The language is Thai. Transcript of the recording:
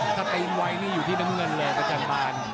ถ้าตีนไว้นี่อยู่ที่น้ำเงินเลยประจำบาน